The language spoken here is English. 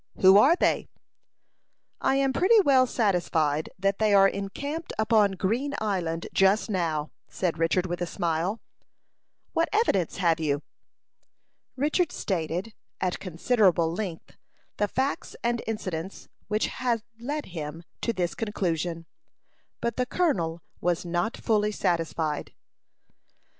"Who are they?" "I am pretty well satisfied that they are encamped upon Green Island just now," said Richard, with a smile. "What evidence have you?" Richard stated, at considerable length, the facts and incidents which had led him to this conclusion: but the colonel was not fully satisfied.